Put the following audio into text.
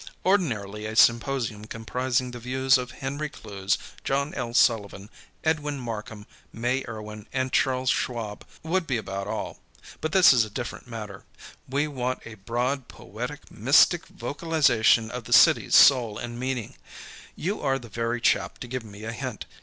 Ordinarily a symposium comprising the views of Henry Clews, John L. Sullivan, Edwin Markham, May Irwin and Charles Schwab would be about all. But this is a different matter. We want a broad, poetic, mystic vocalization of the city's soul and meaning. You are the very chap to give me a hint.